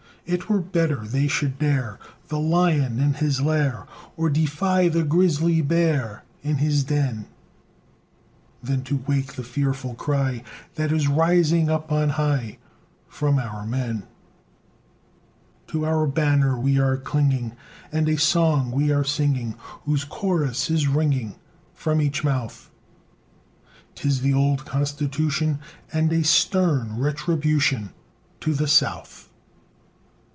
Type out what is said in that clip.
It were better they should dare The lion in his lair, Or defy the grizzly bear In his den, Than to wake the fearful cry That is rising up on high From our men. To our banner we are clinging, And a song we are singing, Whose chorus is ringing From each mouth; 'Tis "The old Constitution And a stern retribution To the South."